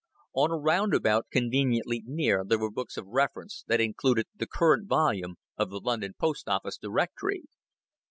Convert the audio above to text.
On a roundabout conveniently near there were books of reference that included the current volume of the London Post Office Directory.